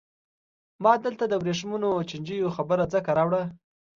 ما دلته د ورېښمو چینجیو خبره ځکه راوړه.